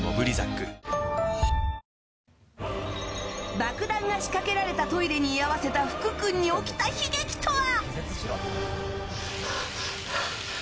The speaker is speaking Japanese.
爆弾が仕掛けられたトイレに居合わせた福君に起きた悲劇とは。